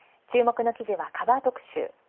注目の記事はカバー特集。